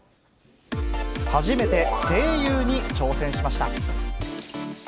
初めて声優に挑戦しました。